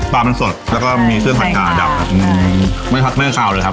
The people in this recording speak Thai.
ปลามันสดแล้วก็มีซื่องขัดจาดเอออั้งไม่ขาวเลยครับ